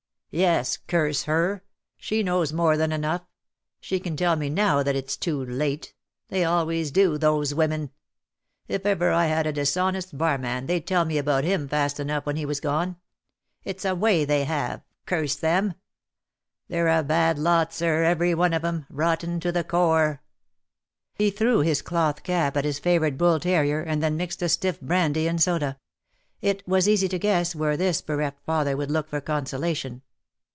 "Yes, curse her. She knows more than enough. She can tell me now that it's too late. They always do, those women. If ever I had a dishonest barman they'd tell me about him fast enough when he was gone. It's a way they have, curse them. They're a bad lot, sir, every one of 'em, rotten to the core." He threw his cloth cap at his favourite bull terrier, and then mixed a stiff brandy and soda. It was easy to guess where this bereft father would look for consolation.